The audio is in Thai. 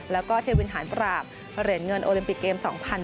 แล้วก็เทวินหารปราบเหรียญเงินโอลิมปิกเกม๒๐๑๖